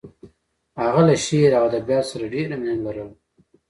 هغه له شعر او ادبیاتو سره ډېره مینه لرله